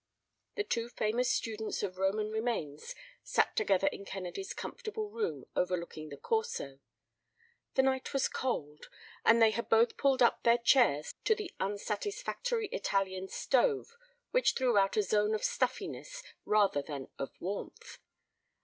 The two famous students of Roman remains sat together in Kennedy's comfortable room overlooking the Corso. The night was cold, and they had both pulled up their chairs to the unsatisfactory Italian stove which threw out a zone of stuffiness rather than of warmth.